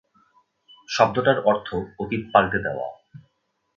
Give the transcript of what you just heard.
শব্দটার অর্থ অতীত পাল্টে দেওয়া।